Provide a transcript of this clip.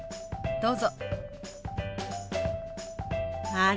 どうぞ。